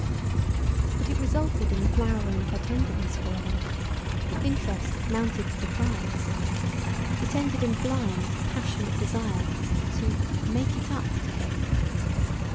But it resulted in the flowering of her tenderness for him. Interest mounted to defiance. It ended in blind, passionate desire to "make it up" to him.